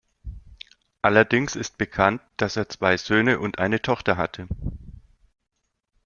Allerdings ist bekannt, dass er zwei Söhne und eine Tochter hatte.